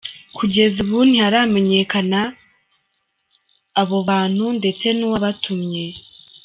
Kugeza ubu ntiharamenyakana babo bantu ndetse n’uwa yabatumye.